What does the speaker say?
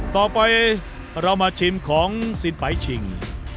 ต่อไปเรามาชิมของสินไปชิง